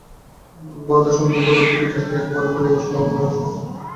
বরদাসুন্দরী গোরার দিকে চাহিয়াই একেবারে বলিয়া বসিলেন, আপন এ-সমস্ত কিছু খাবেন না বুঝি?